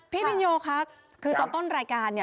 พี่มินโยคะคือตอนต้นรายการเนี่ย